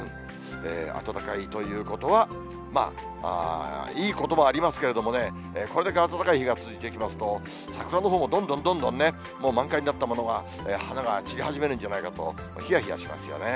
暖かいということはいいこともありますけれどもね、これだけ暖かい日が続いていきますと、桜のほうもどんどんどんどん満開になったものが花が散り始めるんじゃないかとひやひやしますよね。